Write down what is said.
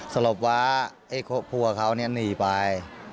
สรุปว่าไอผัวเขาเนี้ยหนีไป